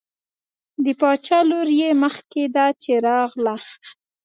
د باچا لور یې مخکې ده چې راغله.